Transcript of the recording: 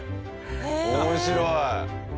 面白い！